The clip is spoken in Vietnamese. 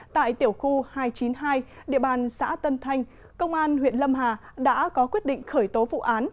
tại tiểu khu hai trăm chín mươi hai địa bàn xã tân thanh công an huyện lâm hà đã có quyết định khởi tố vụ án